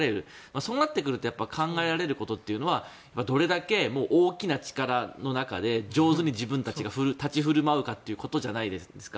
そうなってくると考えられることはどれだけ大きな力の中で上手に自分たちが立ち振る舞うかということじゃないですか。